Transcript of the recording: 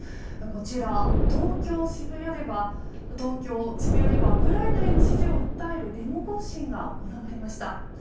こちら、東京・渋谷ではウクライナへの支持を訴えるデモ行進が行われました。